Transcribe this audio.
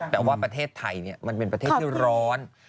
แต่ว่าประเทศไทยมันเป็นประเทศที่ร้อน